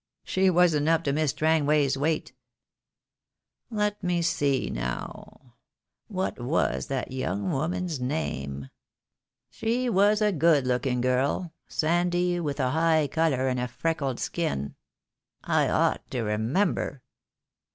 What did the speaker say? She wasn't up to Miss Strangway's weight. Let me see now — what was that young woman's name? — she was a good looking girl, sandy, with a high colour and a freckled skin. I ought to remember."